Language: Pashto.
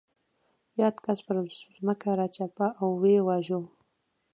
یاد کس پر ځمکه راچپه او ویې واژه.